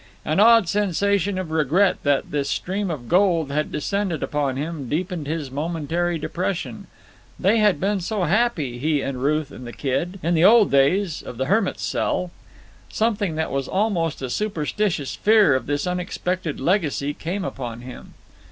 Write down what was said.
An odd sensation of regret that this stream of gold had descended upon him deepened his momentary depression. They had been so happy, he and Ruth and the kid, in the old days of the hermit's cell. Something that was almost a superstitious fear of this unexpected legacy came upon him.